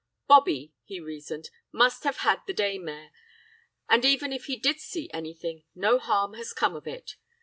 'BOBBIE,' he reasoned, 'must have had the daymare, and even if he did see anything, no harm has come of it.